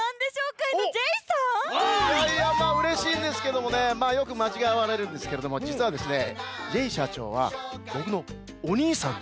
いやいやまあうれしいんですけどもねよくまちがわれるんですけれどもじつはですねジェイ社長はお兄さん？